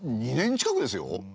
２年近くですよ。